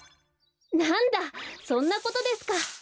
なんだそんなことですか。